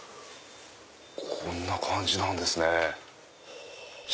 こんな感じなんですね。